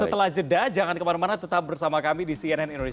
setelah jeda jangan kemana mana tetap bersama kami di cnn indonesia